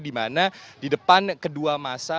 di mana di depan kedua masa